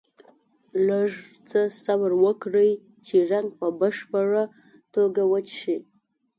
لږ څه صبر وکړئ چې رنګ په بشپړه توګه وچ شي.